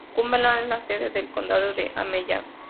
Cumberland es la sede del condado de Allegany.